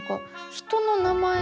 人の名前？